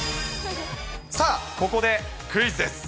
さあ、ここでクイズです。